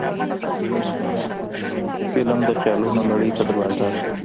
فلم د خیالونو نړۍ ته دروازه ده